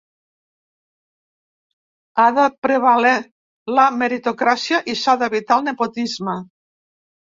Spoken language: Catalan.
Ha de prevaler la meritocràcia i s’ha d’evitar el nepotisme.